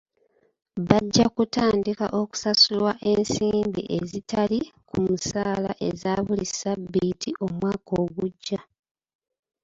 Bajja kutandika okusasulwa ensimbi ezitali ku musaala eza buli sabbiiti omwaka ogujja.